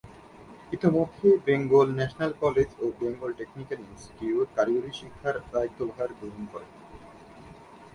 ইতোমধ্যে Bengal national college ও Bengal technical institute কারিগরি শিক্ষার দায়িত্বভার গ্রহণ করে।